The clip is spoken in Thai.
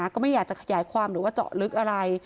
ก็ไม่อยากจะขยายความหรือว่าเจาะลึกอะไร